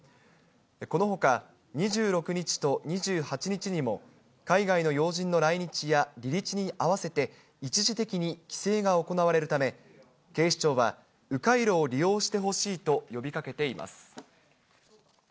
このほか、２６日と２８日にも、海外の要人の来日や離日に合わせて、一時的に規制が行われるため、警視庁は、う回路を利用してほしいと呼びかけています。